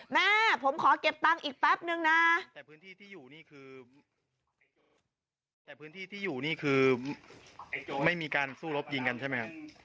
มาผมขอเก็บเงินอีกแป๊บหนึ่งกันนะ